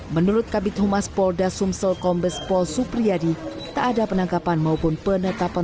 menurut kabit humas polda sumsel kombes pol supriyadi tak ada penangkapan maupun penetapan